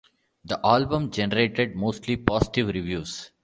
The album generated mostly positive reviews.